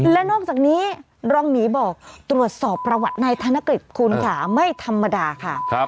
และนอกจากนี้รองหมีบอกตรวจสอบประวัตินายธนกฤษคุณค่ะไม่ธรรมดาค่ะ